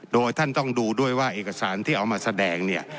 โดยท่านต้องดูด้วยว่าเอกสารที่เอามาแสดงเนี่ย